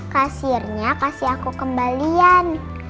kasirnya kasih aku kembalian